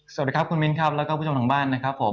สวัสดีครับคุณมิ้นครับแล้วก็ผู้ชมทางบ้านนะครับผม